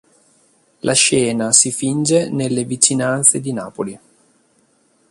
La scena si finge nelle vicinanze di Napoli.